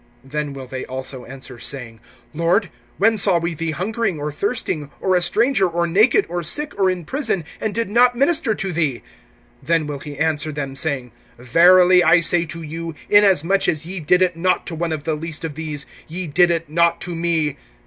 (44)Then will they also answer, saying: Lord, when saw we thee hungering, or thirsting, or a stranger, or naked, or sick, or in prison, and did not minister to thee? (45)Then will he answer them, saying: Verily I say to you, inasmuch as ye did it not to one of the least of these, ye did it not to me.